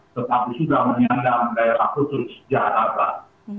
tetapi sudah menyandang daerah khusus sejarah